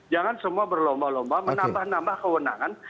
jangan semua berlomba lomba menambah nambah kewenangan